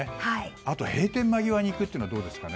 あと閉店間際に行くっていうのはどうですかね。